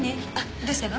どうしたの？